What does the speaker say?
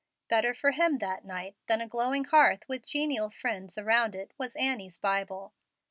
Better for him that night than a glowing hearth with genial friends around it was Annie's Bible.